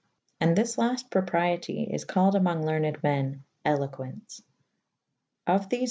And this lafte propriete is callyd amonge lernyd men eloquence. Of thefe